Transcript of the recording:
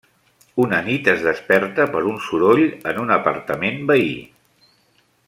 Una nit es desperta per un soroll en un apartament veí.